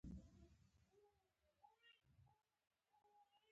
د امریکا رنګین پوستو د نژادي تفکیک پر وړاندې مبارزه وکړه.